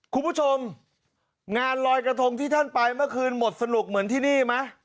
คุณผู้ชมงานลอยกระทงที่ท่านไปเมื่อคืนหมดสนุกเหมือนที่นี่ไหม